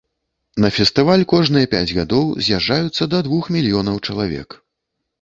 На фестываль кожныя пяць гадоў з'язджаюцца да двух мільёнаў чалавек.